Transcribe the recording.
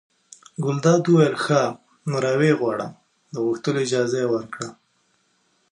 ګلداد وویل ښه! نو را ویې غواړه د غوښتلو اجازه یې ورکړه.